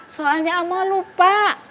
soalnya oma lupa